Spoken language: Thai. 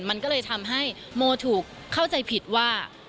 มันก็เลยทำให้โมถูกเข้าใจผิดว่า